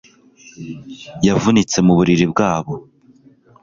yavunitse muburiri bwabo